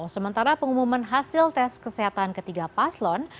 sementara pengumuman hasil tes kesehatan ketiga paslon